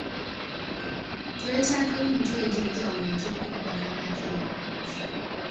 Twetagayo emitwe egy'enjawulo egy’okukubaganyaako ebirowoozo.